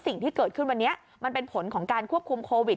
สิ่งที่เกิดขึ้นวันนี้มันเป็นผลของการควบคุมโควิด